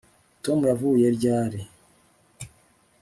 tom yavuye ryari